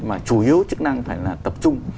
mà chủ yếu chức năng phải là tập trung